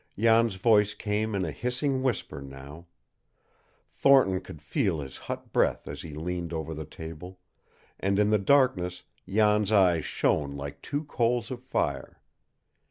Jan's voice came in a hissing whisper now. Thornton could feel his hot breath as he leaned over the table, and in the darkness Jan's eyes shone like two coals of fire.